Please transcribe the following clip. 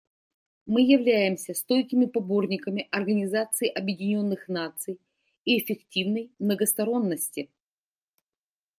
Мы являемся стойкими поборниками Организации Объединенных Наций и эффективной многосторонности.